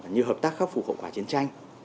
như hợp tác khắc phục hậu quả chiến tranh